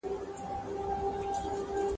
ډېرو خلګو دا کار کړی دی.